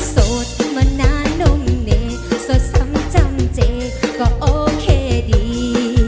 โสดมานานนมเน่สดซ้ำจำเจก็โอเคดี